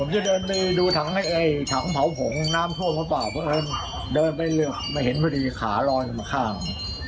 เจออะไรเข้าลุง